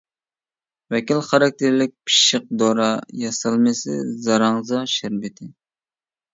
ۋەكىل خاراكتېرلىك پىششىق دورا ياسالمىسى زاراڭزا شەربىتى.